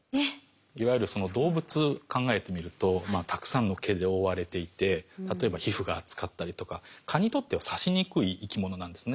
いわゆる動物考えてみるとたくさんの毛で覆われていて例えば皮膚が厚かったりとか蚊にとっては刺しにくい生き物なんですね。